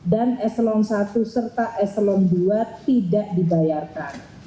dan ekselon satu serta ekselon dua tidak dibayarkan